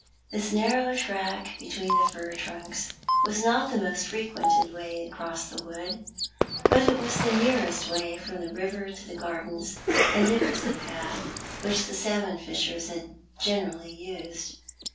This narrow track between the fir trunks was not the most frequented way across the wood ; but it was the nearest way from the river to the gardens, and it was the path which the salmon fishers had generally used.